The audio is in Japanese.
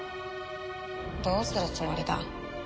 どうするつもりだ？